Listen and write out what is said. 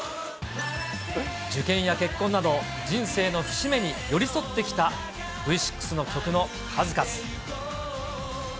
受験や結婚など、人生の節目に寄り添ってきたＶ６の曲の数々。